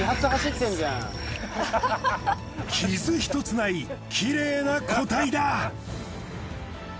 傷ひとつないきれいな個体だ。